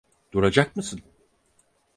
Duracak mısın?